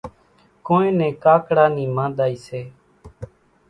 ڪونئين ڪاڪڙا نِي مانۮائِي سي۔